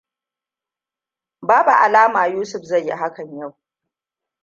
Babu alama Yusuf zai yi hakan yau.